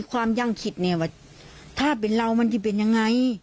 ว่าถ้าเป็นเรามันจะเป็นอย่างไร